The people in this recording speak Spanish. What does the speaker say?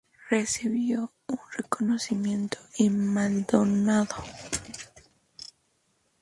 Recibió un reconocimiento en Maldonado.